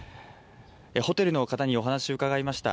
ホテルの方にお話を伺いました。